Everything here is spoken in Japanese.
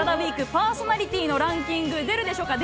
ＷＥＥＫパーソナリティーのランキング、出るでしょうか？